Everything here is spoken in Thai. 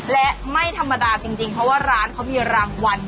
และไม่ธรรมดาจริงเพราะว่าร้านเขามีรางวัล